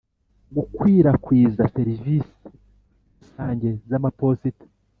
Gukwirakwiza serivisi rusange z amaposita